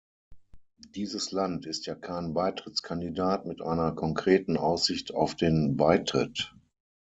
Dieses Land ist ja kein Beitrittskandidat mit einer konkreten Aussicht auf den Beitritt.